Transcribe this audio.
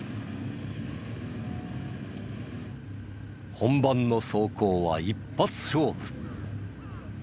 本番の走行は一発勝負。